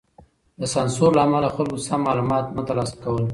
د سانسور له امله خلګو سم معلومات نه تر لاسه کول.